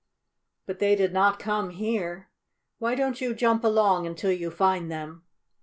But they did not come here. Why don't you jump along until you find them?"